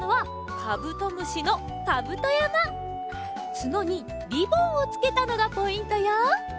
つのにりぼんをつけたのがポイントよ。